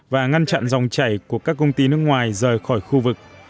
và ngăn chặn dòng chảy của các công ty nước ngoài rời khỏi khu vực